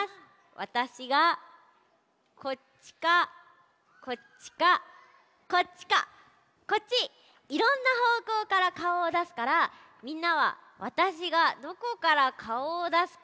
わたしがこっちかこっちかこっちかこっちいろんなほうこうからかおをだすからみんなはわたしがどこからかおをだすかよそうしてあててみてね。